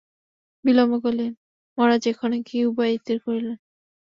বিল্বন কহিলেন, মহারাজ, এক্ষণে কী উপায় স্থির করিলেন?